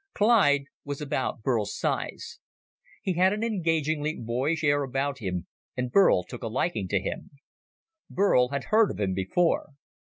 Clyde was about Burl's size. He had an engagingly boyish air about him, and Burl took a liking to him. Burl had heard of him before.